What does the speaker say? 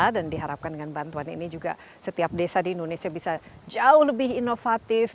dan diharapkan dengan bantuan ini juga setiap desa di indonesia bisa jauh lebih inovatif